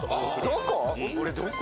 どこ？